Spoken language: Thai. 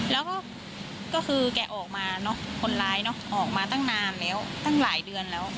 แล้วก็ก็คือแกออกมาเนอะคนร้ายเนอะออกมาตั้งนานแล้วตั้งหลายเดือนแล้ว